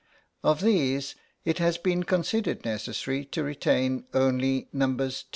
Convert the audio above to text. Of these it has been considered necessary to retain only Nos.